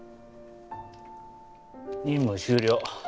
任務終了。